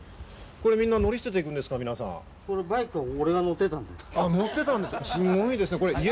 これみんな乗り捨てていくんこのバイクは俺が乗ってたん乗ってたんですか。